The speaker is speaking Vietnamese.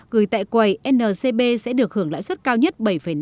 gửi tại quầy ncb sẽ được hưởng lãi suất cao nhất bảy năm mươi năm